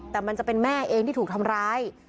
แต่มันจะเป็นแม่เองที่ถูกทำร้าย